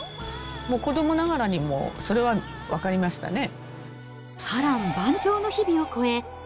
もう子どもながらにも、それは分かりましたね。